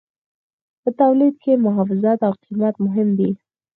په تولید کې محافظت او قیمت مهم دي.